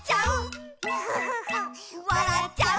「わらっちゃう」